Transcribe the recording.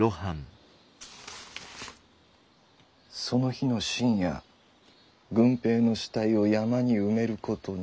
「その日の深夜郡平の死体を山に埋めることにする」。